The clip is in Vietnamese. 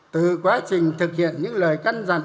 từ quá trình thực hiện những lời căn dặn